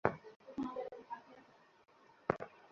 আমার ভাগ দিবি না?